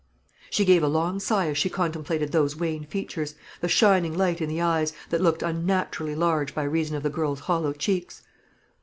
She gave a long sigh as she contemplated those wan features, the shining light in the eyes, that looked unnaturally large by reason of the girl's hollow cheeks.